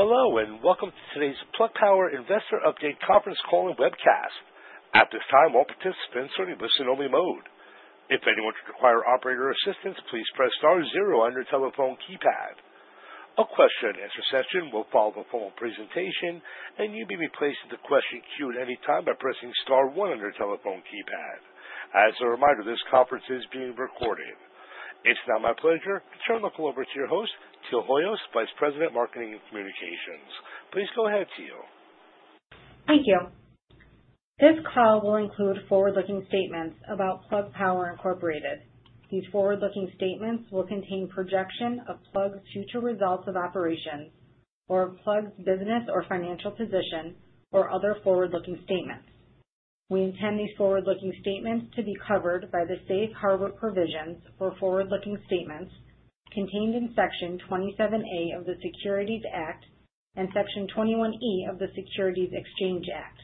Hello and welcome to today's Plug Power Investor Update conference call and webcast. At this time, all participants are in listen only mode. If anyone should require operator assistance, please press Star zero on your telephone keypad. A question and answer session will follow a formal presentation and you may be placed in the question queue at any time by pressing Star 1 on your telephone keypad. As a reminder, this conference is being recorded. It's now my pleasure to turn the call over to your host, Teal Hoyos, Vice President, Marketing and Communications. Please go ahead. Teal. Thank you. This call will include forward-looking statements about Plug Power Incorporated. These forward-looking statements will contain projections of Plug's future results of operations, or Plug's business or financial position, or other forward-looking statements. We intend these forward-looking statements to be covered by the safe harbor provisions for forward-looking statements contained in Section 27A of the Securities Act and Section 21E of the Securities Exchange Act.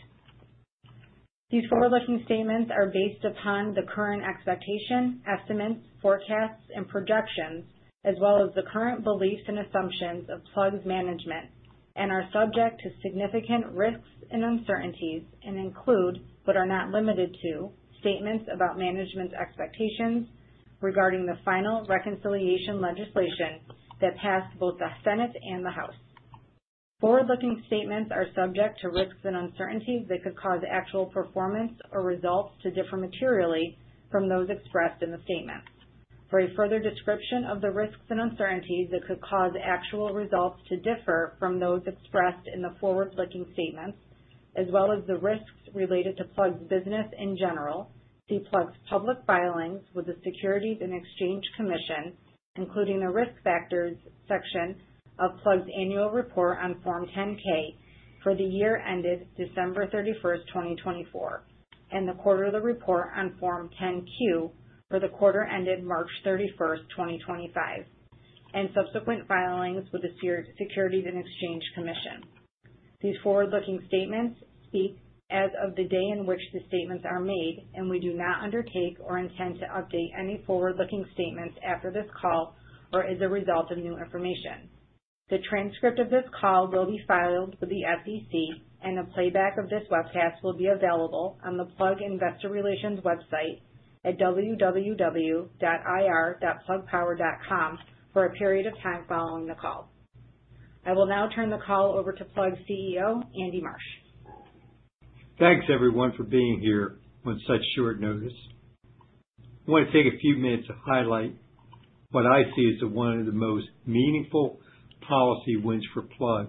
These forward-looking statements are based upon the current expectations, estimates, forecasts, and projections, as well as the current beliefs and assumptions of Plug's management and are subject to significant risks and uncertainties and include, but are not limited to, statements about management's expectations regarding the final reconciliation legislation that passed both the Senate and the House. Forward-looking statements are subject to risks and uncertainties that could cause actual performance or results to differ materially from those expressed in the statements. For a further description of the risks and uncertainties that could cause actual results to differ from those expressed in the forward-looking statements, as well as the risks related to Plug's business in general, see Plug's public filings with the Securities and Exchange Commission, including the Risk Factors section of Plug's Annual Report on Form 10-K for the year ended December 31, 2024, and the Quarterly Report on Form 10-Q for the quarter ended March 31, 2025, and subsequent filings with the Securities and Exchange Commission. These forward-looking statements speak as of the day in which the statements are made, and we do not undertake or intend to update any forward-looking statements after this call or as a result of new information. The transcript of this call will be filed with the SEC, and a playback of this webcast will be available on the Plug Investor Relations website at www.ir.plugpower.com for a period of time following the call. I will now turn the call over to Plug's CEO, Andy Marsh. Thanks everyone for being here on such short notice. I want to take a few minutes to highlight what I see as one of the most meaningful policy wins for Plug Power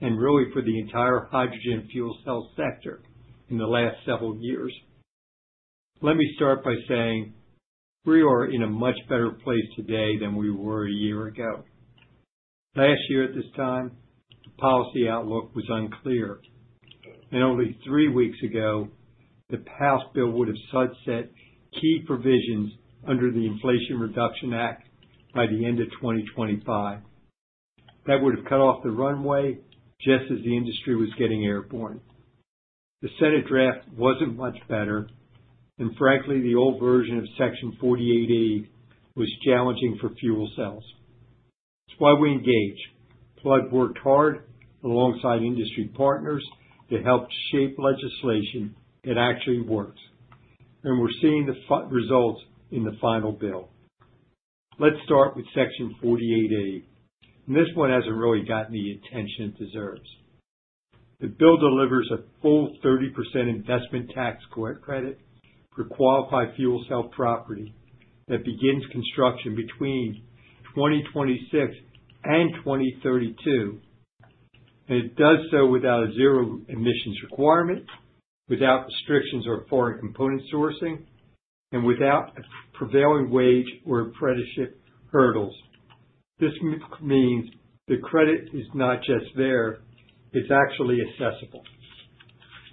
and really, for the entire hydrogen fuel cell sector in the last several years. Let me start by saying we are in a much better place today than we were a year ago. Last year at this time, the policy outlook was unclear. Only three weeks ago, the House bill would have sunset key provisions under the Inflation Reduction Act. By the end of 2025, that would have cut off the runway just as the industry was getting airborne. The Senate draft was not much better. Frankly, the old version of Section 48 was challenging for fuel cells. That is why we at Plug Power worked hard alongside industry partners to help shape legislation that actually works. We are seeing the results in the final bill. Let's start with Section 48A. This one has not really gotten the attention it deserves. The bill delivers a full 30% investment tax credit for qualified fuel cell property that begins construction between 2026 and 2032. It does so without a zero-emission requirement, without restrictions on foreign component sourcing, and without prevailing wage or apprenticeship hurdles. This means the credit is not just there, it is actually accessible.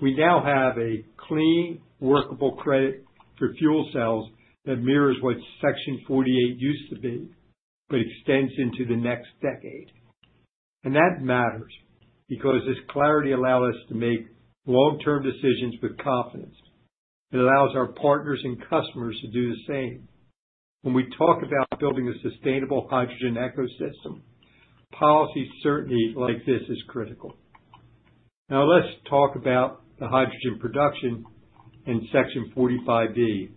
We now have a clean, workable credit for fuel cells that mirrors what Section 48 used to be, but extends into the next decade. That matters because this clarity allows us to make long-term decisions with confidence. It allows our partners and customers to do the same. When we talk about building a sustainable hydrogen ecosystem, policy certainty like this is critical. Now let's talk about the hydrogen production in Section 45. The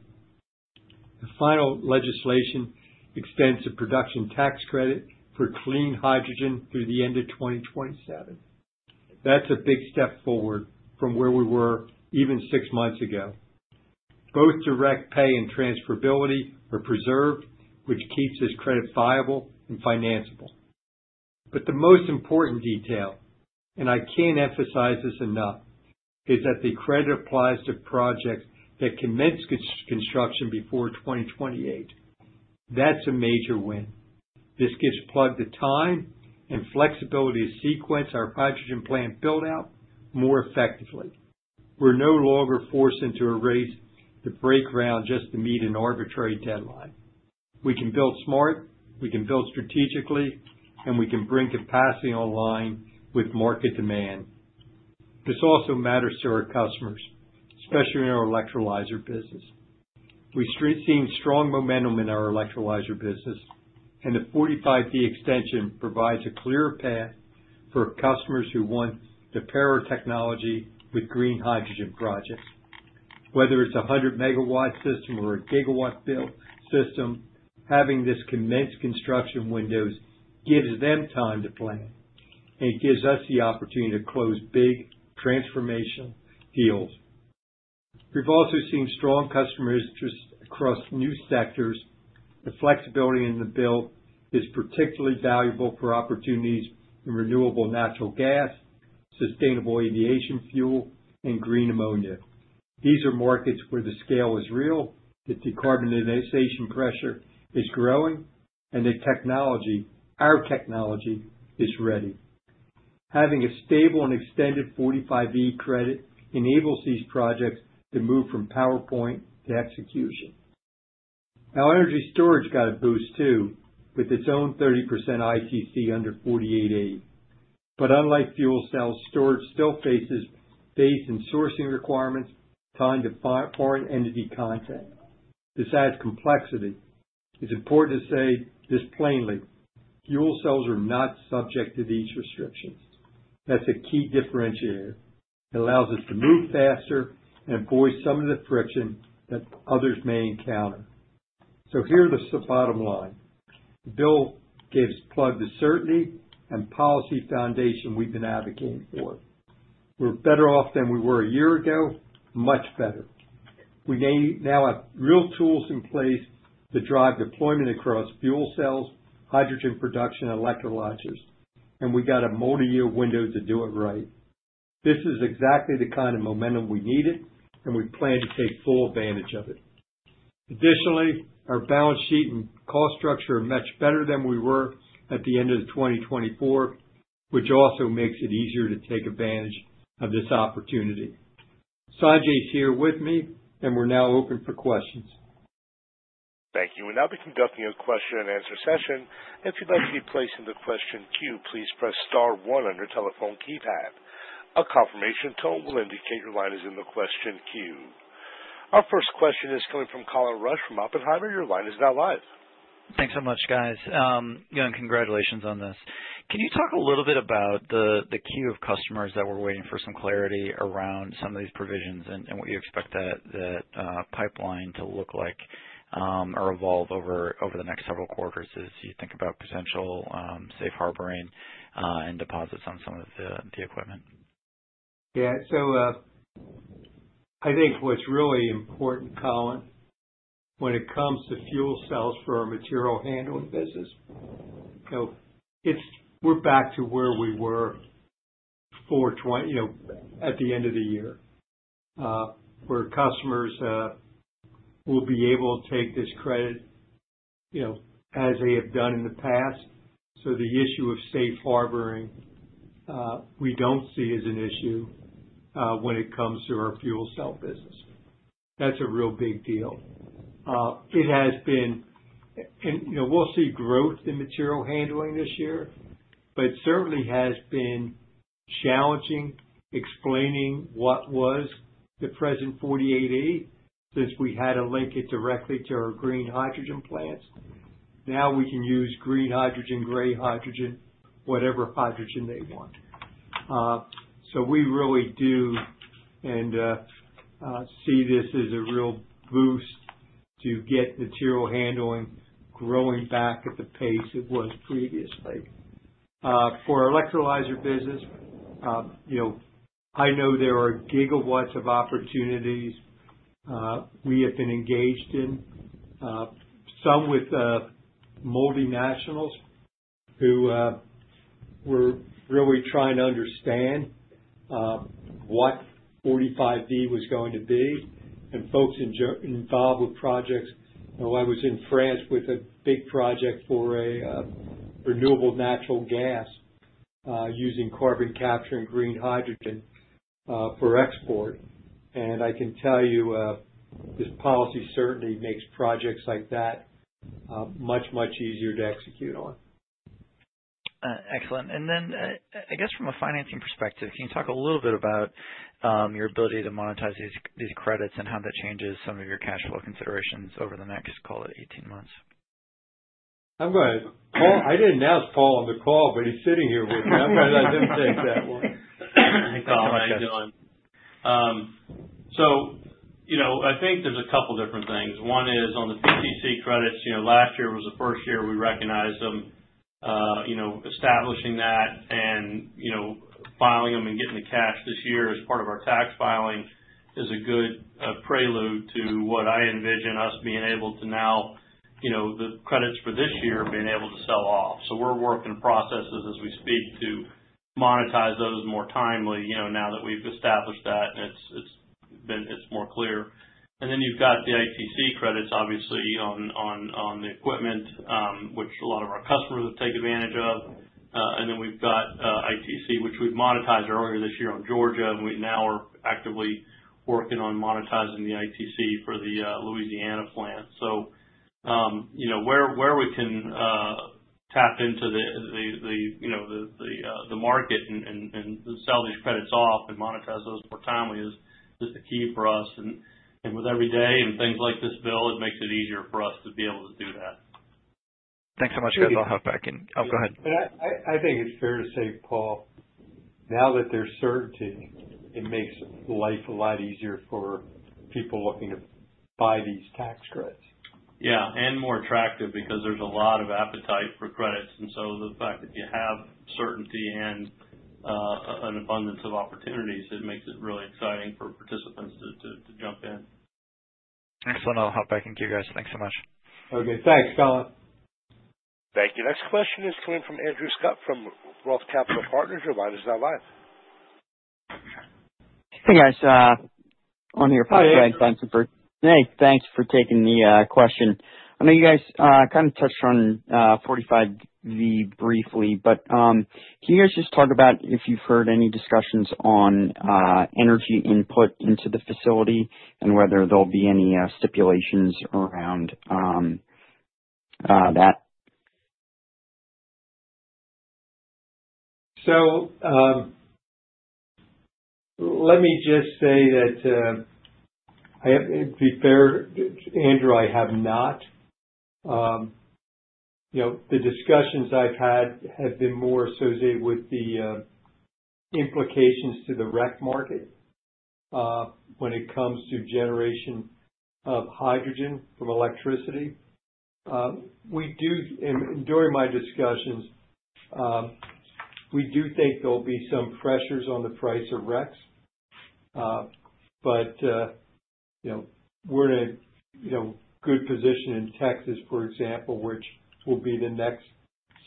final legislation extends the production tax credit for clean hydrogen through the end of 2027. That is a big step forward from where we were even six months ago. Both direct pay and transferability are preserved, which keeps this credit viable and financeable. The most important detail, and I cannot emphasize this enough, is that the credit applies to projects that commence construction before 2028. That is a major win. This gives Plug Power the time and flexibility to sequence our hydrogen plant buildout more effectively. We are no longer forced into a race to break ground just to meet an arbitrary deadline. We can build smart, we can build strategically, and we can bring capacity online with market demand. This also matters to our customers, especially in our electrolyzer business. We've seen strong momentum in our electrolyzer business, and the 45D extension provides a clear path for customers who want to pair our technology with green hydrogen projects. Whether it's a 100 megawatt system or a gigawatt build system, having this commenced construction window gives them time to plan and gives us the opportunity to close big transformational deals. We've also seen strong customer interest across new sectors. The flexibility in the build is particularly valuable for opportunities in renewable natural gas, sustainable aviation fuel, and green ammonia. These are markets where the scale is real, the decarbonization pressure is growing, and the technology, our technology, is ready. Having a stable and extended 45D credit enables these projects to move from PowerPoint to execution. Our energy storage got a boost too with its own 30% ITC under 48A. Unlike fuel cells, storage still faces base and sourcing requirements tied to foreign entity content. Besides complexity, it's important to say this plainly: fuel cells are not subject to these restrictions. That's a key differentiator. It allows us to move faster and avoid some of the friction that others may encounter. Here is the bottom line. Bill gave us Plug the certainty and policy foundation we've been advocating for. We're better off than we were a year ago. Much better. We now have real tools in place to drive deployment across fuel cells, hydrogen production, electrolyzers, and we got a multi-year window to do it right. This is exactly the kind of momentum we needed, and we plan to take full advantage of it. Additionally, our balance sheet and cost structure are much better than we were at the end of 2024, which also makes it easier to take advantage of this opportunity. Sanjay is here with me, and we're now open for questions. Thank you. We'll now be conducting a question and answer session. If you'd like to be placed in the question queue, please press star1 on your telephone keypad. A confirmation tone will appear to indicate your line is in the question queue. Our first question is coming from Colin Rusch from Oppenheimer. Your line is now live. Thanks so much guys. Congratulations on this. Can you talk a little bit about the queue of customers that were waiting for some clarity around some of these provisions and what you expect that pipeline to look like or evolve over the next several quarters as you think about potential safe harboring and deposits on some of the equipment. Yeah, I think what's really important, Colin, when it comes to fuel cells for our material handling business, is we're back to where we were at the end of the year where customers will be able to take this credit, you know, as they have done in the past. The issue of safe harboring we don't see as an issue when it comes to our fuel cell business. That's a real big deal. It has been and we'll see growth in material handling this year, but it certainly has been challenging explaining what was the present 48E since we had to link it directly to our green hydrogen plants. Now we can use green hydrogen, gray hydrogen, whatever hydrogen they want. We really do see this as a real boost to get material handling growing back at the pace it was previously. For our electrolyzer business, I know there are gigawatts of opportunities we have been engaged in, some with multinationals who were really trying to understand what 45D was going to be and folks involved with projects. I was in France with a big project for a renewable natural gas using carbon capture and green hydrogen for export. I can tell you this policy certainly makes projects like that much, much easier to execute on. Excellent. I guess from a financing perspective, can you talk a little bit about your ability to monetize these credits and how that changes some of your cash flow considerations over the next, call it, 18 months. I'm going to Paul. I didn't ask Paul on the call, but he's sitting here with me. I'm going to let him take that one. I think there's a couple different things. One is on the PTC credits, last year was the first year we recognized them. Establishing that and filing them and getting the cash this year as part of our tax filing is a good prelude to what I envision us being able to now, the credits for this year being able to sell off. We're working processes as we speak to monetize those more timely now that we've established that it's more clear. Then you've got the ITC credits, obviously on the equipment, which a lot of our customers would take advantage of. We have ITC, which we've monetized earlier this year on Georgia. We now are actively working on monetizing the ITC for the Louisiana plant. Where we can tap into the market and sell these credits off and monetize those more timely is the key for us. With every day and things like this bill, it makes it easier for us to be able to do that. Thanks so much, guys. I'll hop back in. Go ahead. I think it's fair to say, Paul, now that there's certainty, it makes life a lot easier for people looking to buy these tax credits. Yeah, and more attractive because there's a lot of appetite for credits. The fact that you have certainty and an abundance of opportunities makes it really exciting for participants to jump in. Excellent. I'll hop back in queue, guys. Thanks so much. Okay, thanks, Colin. Thank you. Next question is coming from Andrew Scott from Wealth Capital Partners. Your line is now live. Thanks for taking the question. I know you guys kind of touched on 45V briefly, but can you just talk about if you've heard any discussions on energy input into the facility and whether there'll be any stipulations around that? To be fair, Andrew, I have not. The discussions I've had have been more associated with the implications to the REC market when it comes to generation of hydrogen from electricity. During my discussions, we do think there'll be some pressures on the price of RECs, but we're in a good position in Texas, for example, which will be the next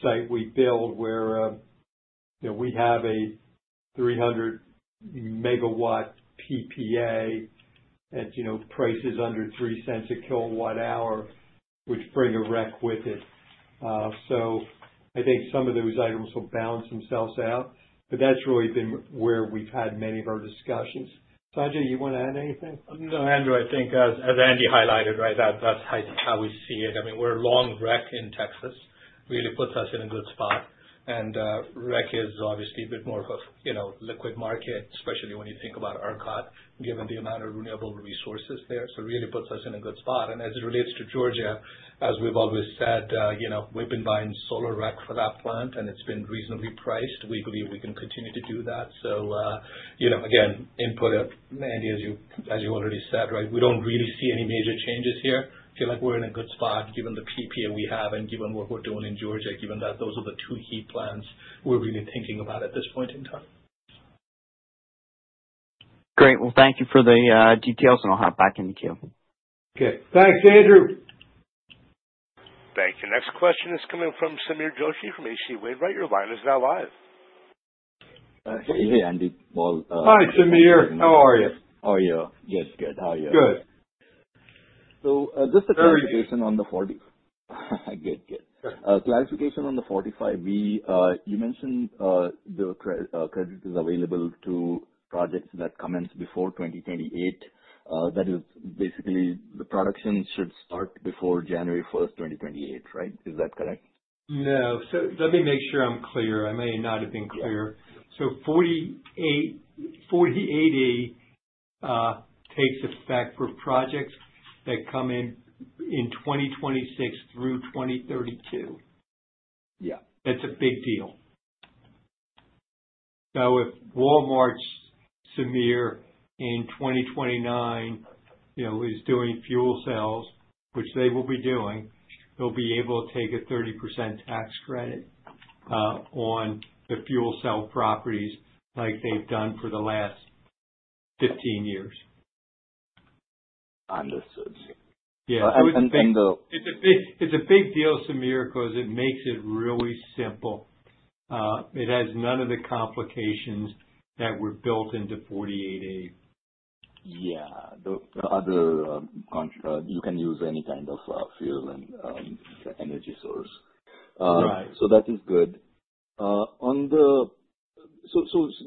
site we build where we have a 300 megawatt PPA at prices under $0.03 a kilowatt hour, which bring a REC with it. I think some of those items will balance themselves out. That's really been where we've had many of our discussions. Sanjay, you want to add anything? No, Andrew. I think as Andy highlighted, that's how we see it. We're a long REC in Texas. Really puts us in a good spot. REC is obviously a bit more of a liquid market, especially when you think about ERCOT, given the amount of renewable remains there. Really puts us in a good spot. As it relates to Georgia, as we've always said, we've been buying solar REC for that plant and it's been reasonably priced. We believe we can continue to do that. Again, input Andy, as you already said. We don't really see any major changes here. Feel like we're in a good spot given the PPA we have and given what we're doing in Georgia, given that those are the two heat plants we're really thinking about at this point in time. Great. Thank you for the details and I'll hop back in the queue. Okay, thanks, Andrew. Thank you. Next question is coming from Sameer Joshi, from H.C. Wainwright. Your line is now live. Hey, Andy. Hi, Sameer, how are you? How are you? Good, good. How are you? Good. Just a clarification on the 40. Good, good clarification on the 45B. You mentioned the credit is available to projects that commence before 2028. That is basically the production should start before January 1, 2028, right? Is that correct? No. Let me make sure I'm clear. I may not have been clear. 48D takes effect for projects that come in in 2026 through 2032. Yeah, that's a big deal. If Walmart, Sameer, in 2029 is doing fuel cells, which they will be doing, they'll be able to take a 30% tax credit on the fuel cell properties like they've done for the last 15 years. Understood? Yeah, it's a big deal, Sameer, because it makes it really simple. It has none of the complications that were built into 48A. You can use any kind of fuel and energy source. That is good.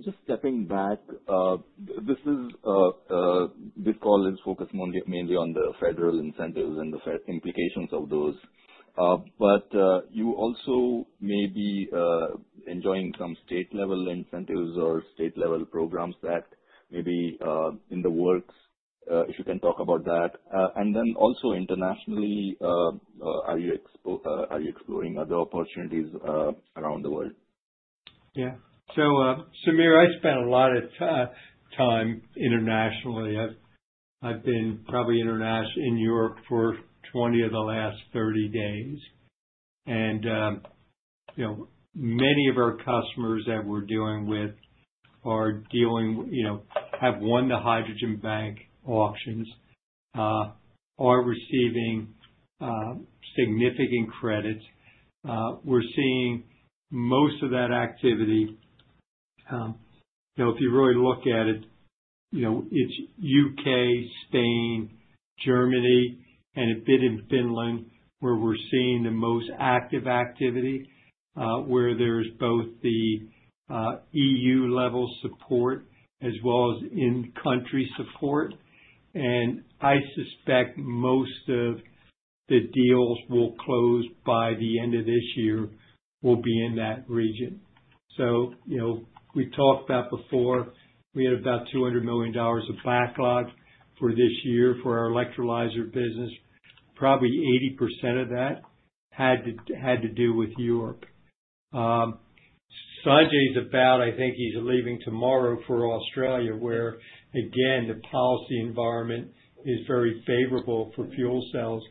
Just stepping back, this call is focused mainly on the federal incentives and the implications of those. You also may be enjoying some state level incentives or state level programs that may be in the works, if you can talk about that. Also internationally, are you exploring other opportunities around the world? Yeah. Sameer, I spent a lot of time internationally. I've been probably international in Europe for 20 of the last 30 days. Many of our customers that we're dealing with have won the hydrogen bank auctions, are receiving significant credits. We're seeing most of that activity. If you really look at it, it's UK, Spain, Germany and a bit in Finland where we're seeing the most active activity, where there's both the EU level support as well as in-country support. I suspect most of the deals that will close by the end of this year will be in that region. We talked about before, we had about $200 million of backlog for this year for our electrolyzer business. Probably 80% of that had to do with Europe. Sanjay's about, I think he's leaving tomorrow for Australia where again, the policy environment is very favorable for fuel cells.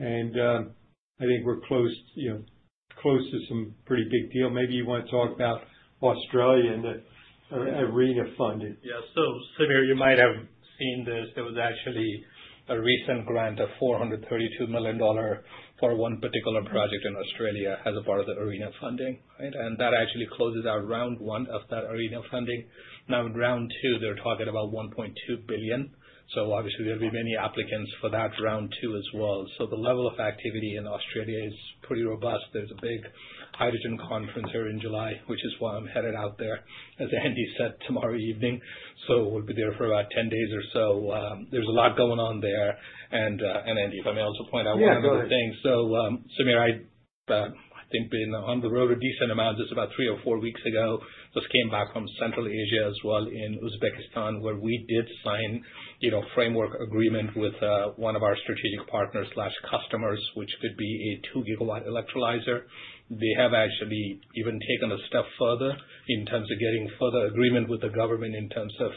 I think we're close to some pretty big deal. Maybe you want to talk about Australia and the ARENA funded. Yeah. Sameer, you might have seen this. There was actually a recent grant of $432 million for one particular project in Australia as a part of the ARENA funding. That actually closes out round one of that ARENA funding. Now in round two, they're talking about $1.2 billion. Obviously, there will be many applicants for that round two as well. The level of activity in Australia is pretty robust. There's a big hydrogen conference here in July, which is why I'm headed out there, as Andy said, tomorrow evening. We'll be there for about 10 days or so. There's a lot going on there. Andy, if I may also point out one other thing. Sameer, I think been on the road a decent amount just about 3 or 4 weeks ago, just came back from Central Asia as well in Uzbekistan where we did sign framework agreement with one of our strategic partners customers which could be a 2 gigawatt electrolyzer. They have actually even taken a step further in terms of getting further agreement with the government in terms of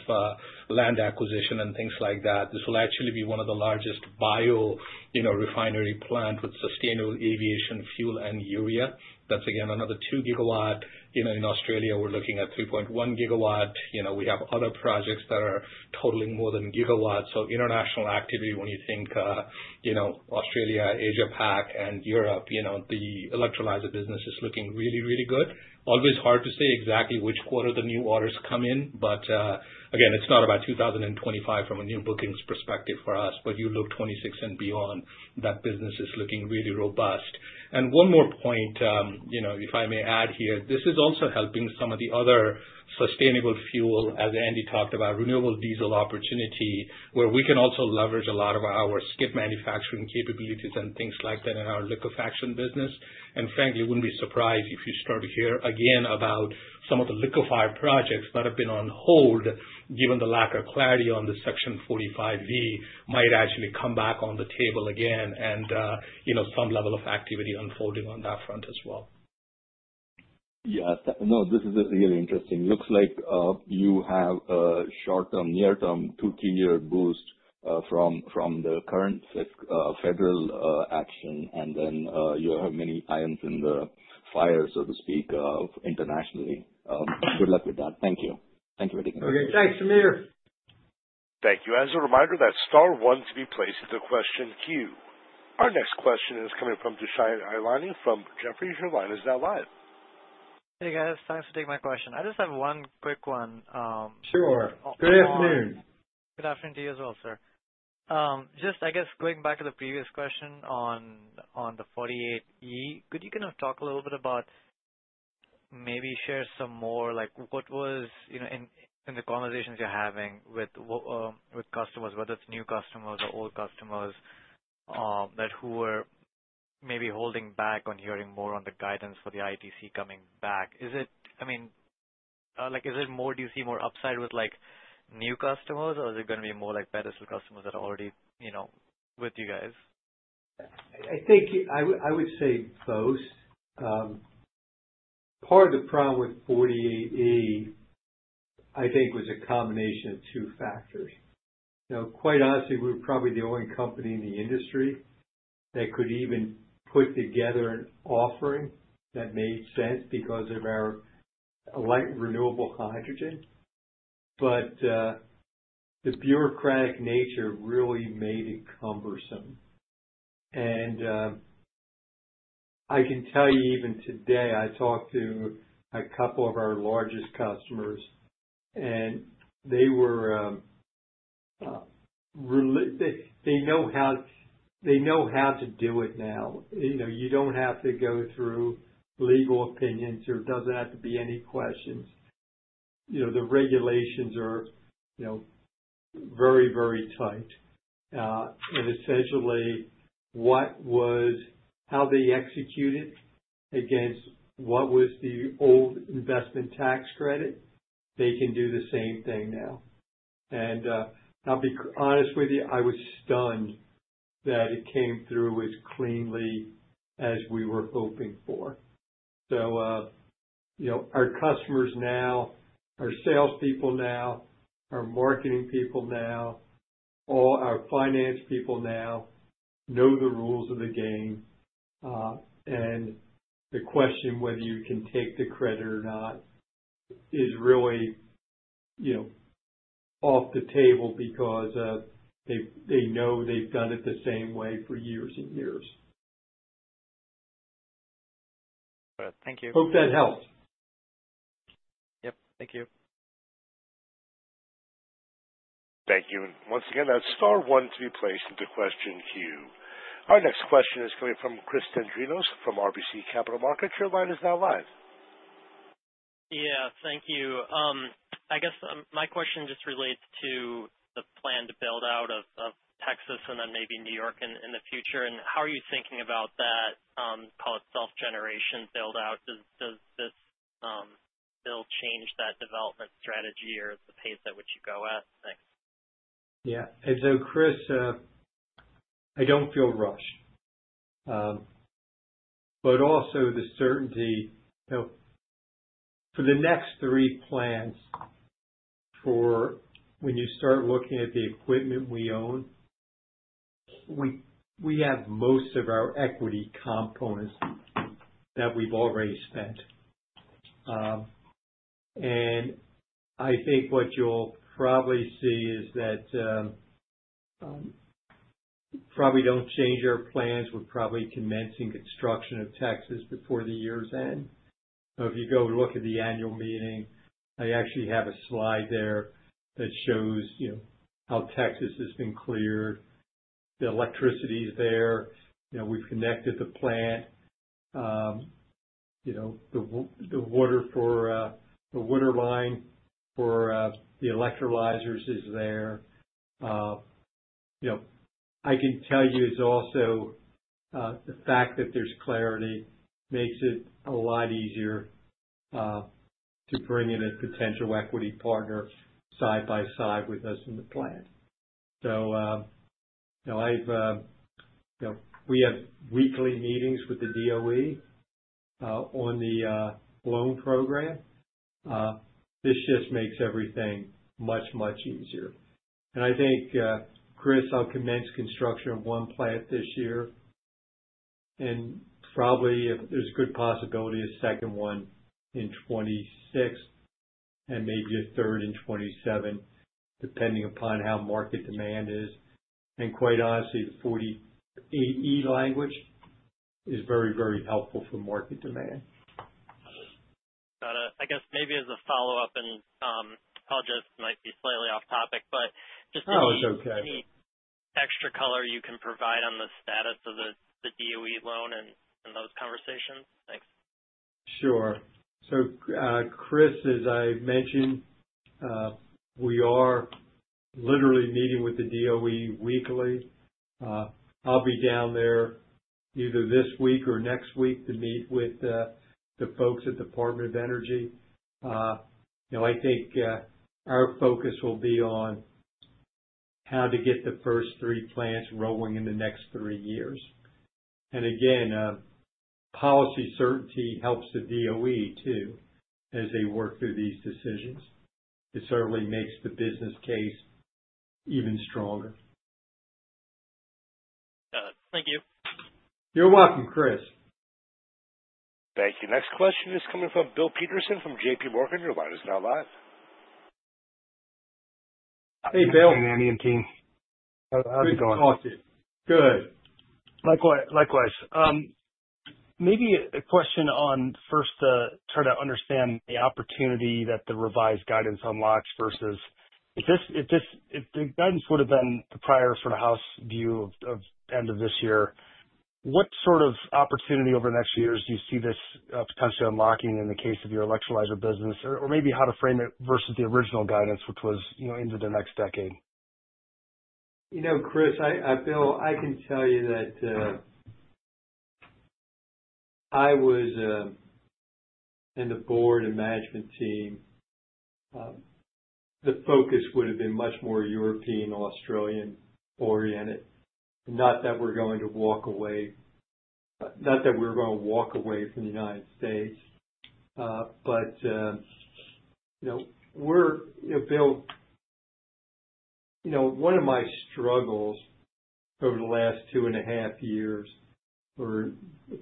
land acquisition and things like that. This will actually be one of the largest biorefinery plant with sustainable aviation fuel and urea. That's again another 2 gigawatts. In Australia, we're looking at 3.1 gigawatt. We have other projects that are totaling more than gigawatts. International activity, when you think Australia, Asia, PAC and Europe, the electrolyzer business is looking really, really good. Always hard to say exactly which quarter the new orders come in. Again, it's not about 2025 from a new bookings perspective for us, but you look 2026 and beyond, that business is looking really robust. One more point if I may add here, this is also helping some of the other sustainable fuel as Andy talked about renewable diesel opportunity where we can also leverage a lot of our skid manufacturing capabilities and things like that in our liquefaction business. Frankly, wouldn't be surprised if you start to hear again about some of the liquefied projects that have been on hold given the lack of clarity on the Section 45V but might actually come back on the table again and some level of activity unfolding on that front as well. Yes, no. This is really interesting. Looks like you have a short term, near term, two, three year boost from the current federal action and then you have many irons in the fire, so to speak, internationally. Good luck with that. Thank you. Thank you. Thanks, Samir. Thank you. As a reminder, that's Star one to be placed at the question queue. Our next question is coming from Dushyant Ailani from Jefferies. Your line is now live. Hey guys, thanks for taking my question. I just have one quick one. Sure. Good afternoon. Good afternoon to you as well, sir. Just, I guess going back to the previous question on the 48A, could you kind of talk a little bit about, maybe share some more, like what was in the conversations you're having with customers, whether it's new customers or old customers that are maybe holding back on hearing more on the guidance for the ITC coming back. Is it, I mean, like is it more, do you see more upside with new customers or is it going to be more like pedestal customers that are already with you guys. I think I would say both. Part of the problem with 48A, I think, was a combination of two factors, quite honestly. We were probably the only company in the industry that could even put together an offering that made sense because of our light renewable hydrogen, but the bureaucratic nature really made it cumbersome. I can tell you, even today I talked to a couple of our largest customers and they know how to do it now. You don't have to go through legal opinions. There doesn't have to be any questions. The regulations are very, very tight and essentially how they executed against what was the old investment tax credit, they can do the same thing now. I'll be honest with you, I was stunned that it came through as cleanly as we were hoping for. Our customers, our salespeople, our marketing people, and all our finance people now know the rules of the game. The question whether you can take the credit or not is really off the table because they know they've done it the same way for years and years. Thank you. Hope that helped. Yep. Thank you. Thank you once again. That's Star one to be placed into question queue. Our next question is coming from Chris Dendrinos from RBC Capital Markets. Your line is now live. Yeah, thank you. I guess my question just relates to the planned build out of Texas and then maybe New York in the future. How are you thinking about that, call it self-generation build out? Does this still change that development strategy or the pace at which you go at? Thanks. Yeah. Chris, I don't feel rushed, but also the certainty for the next three plants for when you start looking at the equipment we own. We have most of our equity components that we've already spent. I think what you'll probably see is that probably don't change our plans. We're probably commencing construction of Texas before the year's end. If you go look at the annual meeting, I actually have a slide there that shows how Texas has been cleared. The electricity is there, we've connected the plant. The water for the water line for the electrolyzers is there. I can tell you it's also the fact that there's clarity makes it a lot easier to bring in a potential equity partner side by side with us in the plan. We have weekly meetings with the U.S. Department of Energy on the loan program. This just makes everything much, much easier. I think, Chris, I'll commence construction of one plant this year and probably there's a good possibility a second one in 2026 and maybe a third in 2027 depending upon how market demand is. Quite honestly, the Section 48A language is very, very helpful for market demand. Got it. I guess maybe as a follow up and apologize, this might be slightly off topic, but just extra color you can provide on the status of the U.S. Department of Energy loan and those conversations. Thanks. Sure. Chris, as I mentioned, we are literally meeting with the U.S. Department of Energy weekly. I'll be down there either this week or next week to meet with the folks at the U.S. Department of Energy. I think our focus will be on how to get the first three plants rolling in the next three years. Again, policy certainty helps the U.S. Department of Energy too, as they work through these decisions. It certainly makes the business case even stronger. Thank you. You're welcome, Chris. Thank you. Next question is coming from Bill Peterson from JPMorgan. Your line is now live. Hey Bill, how's it going? Good. Likewise. Maybe a question on first, try to understand the opportunity that the revised guidance unlocks versus if the guidance would have been the prior sort of house view of end of this year, what sort of opportunity over the next few years do you see this potentially unlocking in the case of your electrolyzer business or maybe how to frame it versus the original guidance which was of the next decade. Bill, I can tell you that I was in the board and management team. The focus would have been much more European, Australian oriented. Not that we're going to walk away, not that we're going to walk away from the United States. But you know, Bill, one of my struggles over the last two and a half years, or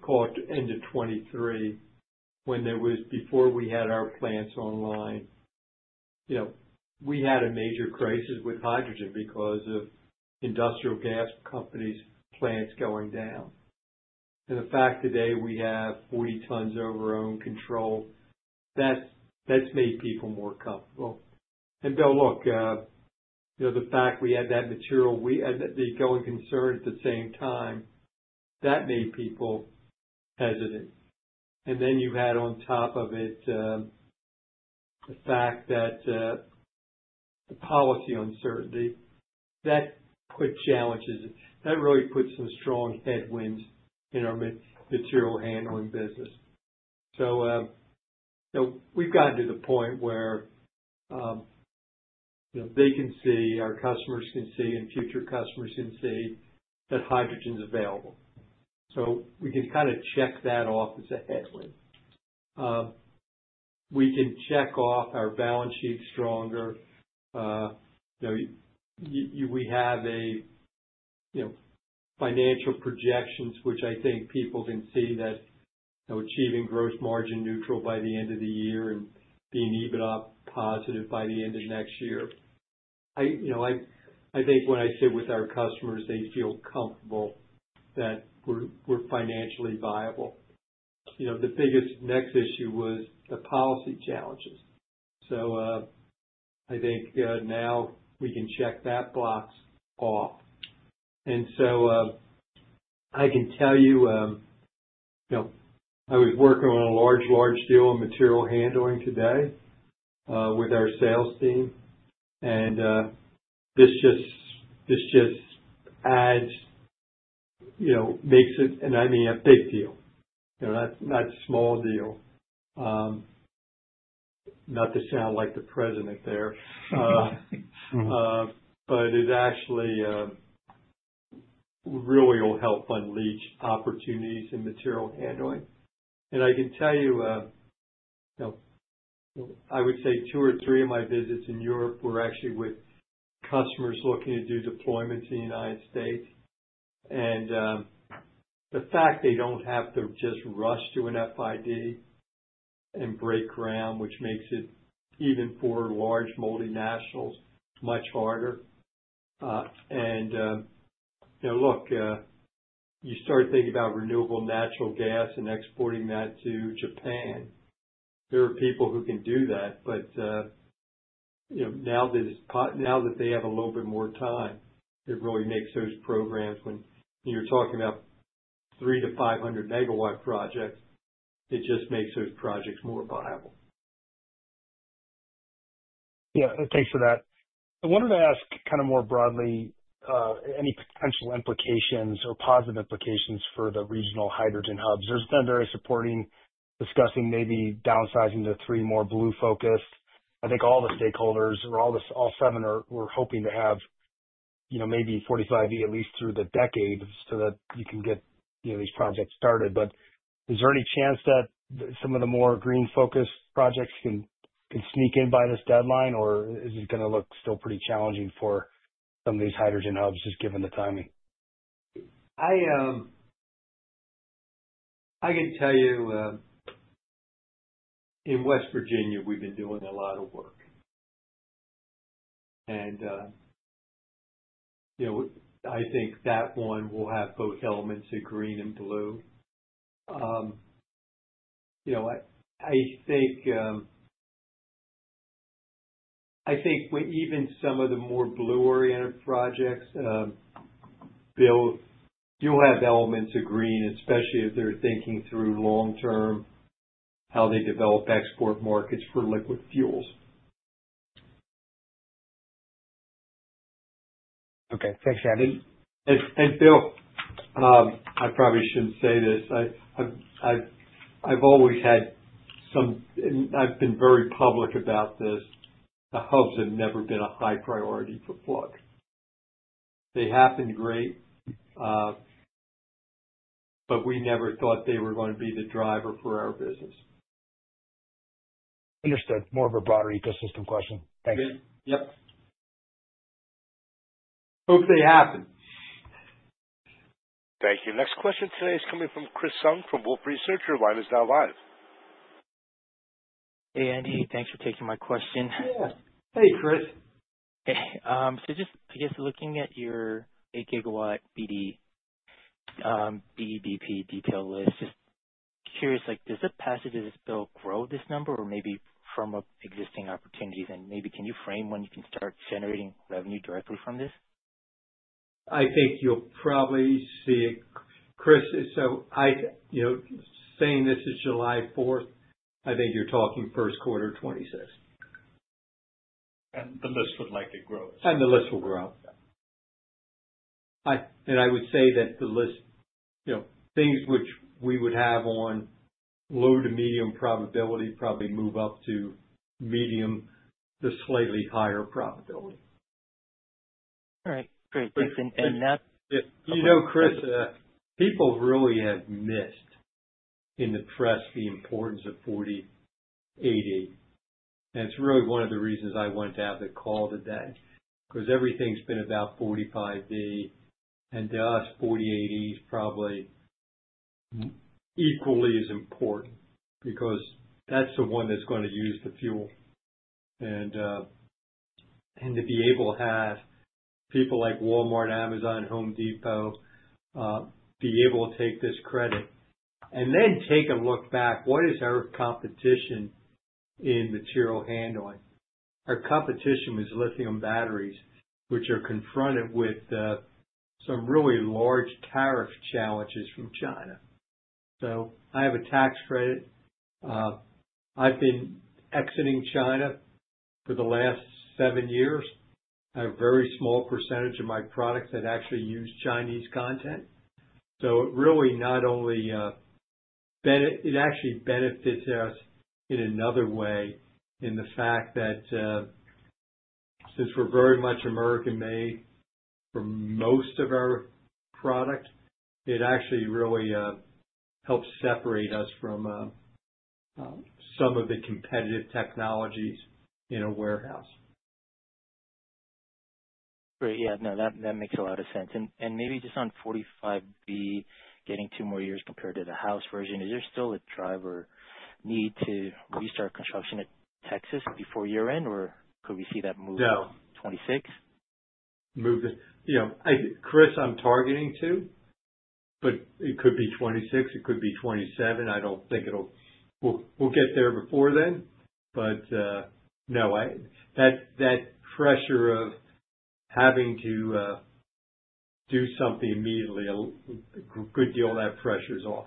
call it end of 2023, when there was before we had our plants online, we had a major crisis with hydrogen because of industrial gas companies, plants going down and the fact today we have 40 tons over our own control, that's made people more comfortable. Bill, the fact we had that material, the going concern at the same time, that made people hesitant. Then you had on top of it the fact that policy uncertainty put challenges that really put some strong headwinds in our material handling business. We've gotten to the point where they can see, our customers can see and future customers can see that hydrogen is available. We can kind of check that off as a headwind. We can check off our balance sheet stronger. We have financial projections which I think people can see that achieving gross margin neutral by the end of the year and being EBITDA positive by the end of next year. I think when I sit with our customers, they feel comfortable that we're financially viable. The biggest next issue was the policy challenges. I think now we can check that box off. I can tell you I was working on a large, large deal of material handling today with our sales team. This just adds, makes it, and I mean a big deal, not small deal. Not to sound like the president there, but it actually really will help unleash opportunities in material handling. I can tell you, I would say two or three of my visits in Europe were actually with customers looking to do deployments in the United States. The fact they don't have to just rush to an FID and break ground, which makes it even for large multinationals much harder. You start thinking about renewable natural gas and exporting that to Japan, there are people who can do that. Now that they have a little bit more time, it really makes those programs, when you're talking about 300 to 500 megawatt projects, it just makes those projects more viable. Yeah, thanks for that. I wanted to ask kind of more broadly, any potential implications or positive implications for the regional hydrogen hubs? There's been various reporting discussing maybe downsizing the three more blue focused. I think all the stakeholders or all seven are hoping to have maybe 45E at least through the decade so that you can get these projects started. Is there any chance that some of the more green focused projects can sneak in by this deadline or is it going to look still pretty challenging for some of these hydrogen hubs, just given the timing? I can tell you in West Virginia, we've been doing a lot of work and I think that one will have both elements of green and blue. I think even some of the more blue oriented projects, Bill, you'll have elements of green, especially if they're thinking through long term how they develop export markets for liquid fuels. Okay, thanks, Andy. Bill, I probably shouldn't say this. I've always had some, I've been very public about this. The hubs have never been a high priority for Plug Power. They happened, great, but we never thought they were going to be the driver for our business. Understood. More of a broader ecosystem. Question. Thanks. Hope they happen. Thank you. Next question today is coming from Chris Tsung from Wolfe Research. Your line is now live. Hey Andy, thanks for taking my question. Hey, Chris, just looking at your 8 gigawatt BDP detail list, just curious, does the passage of this bill grow this number or maybe firm up existing opportunities and can you frame when you can start generating revenue directly from this? I think you'll probably see it, Chris. Saying this is July 4th, I think you're talking first quarter 2026, and the list would likely grow. The list will grow. I would say that the list, things which we would have on low to medium probability probably move up to medium to slightly higher probability. All right, great. Chris, people really have missed in the press the importance of 48E. It's really one of the reasons I wanted to have the call today because everything's been about 45D and to us, 48E is probably equally as important because that's the one that's going to use the fuel. To be able to have people like Walmart, Amazon, Home Depot be able to take this credit and then take a look back. What is our competition in material handling? Our competition was lithium batteries, which are confronted with some really large tariff challenges from China. I have a tax credit. I've been exiting China for the last seven years. A very small percentage of my products actually use Chinese content. It really not only. It actually benefits us in another way in the fact that since we're very much American made for most of our product, it actually really helps separate us from some of the competitive technologies in a warehouse. Great. Yeah, no, that makes a lot of sense. Maybe just on 45B, getting two more years compared to the House version, is there still a driver need to restart construction at Texas before year end or could we see that move to 2026, Chris? I'm targeting 2024, but it could be 2026, it could be 2027. I don't think it'll get there before then. That pressure of having to do something immediately, a good deal of that pressure is off.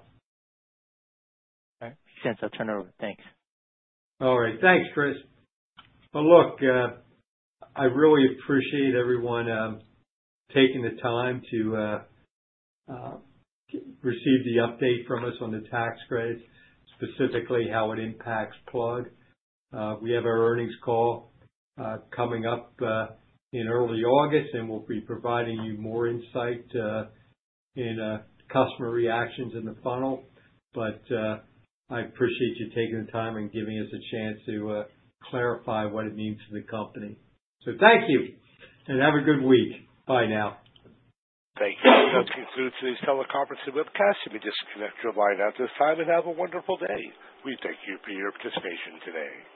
I'll turn it over. Thanks. All right, thanks, Chris. I really appreciate everyone taking the time to receive the update from us on the tax credit, specifically how it impacts Plug Power. We have our earnings call coming up in early August and we'll be providing you more insight in customer reactions in the funnel. I appreciate you taking the time and giving us a chance to clarify what it means to the company. Thank you and have a good week. Bye now. Thank you. That concludes today's teleconference and webcast. You may disconnect your line at this time and have a wonderful day. We thank you for your participation today.